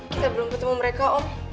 kita belum ketemu mereka oh